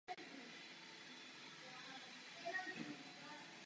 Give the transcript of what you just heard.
To je problém, k němuž se řešení nedává.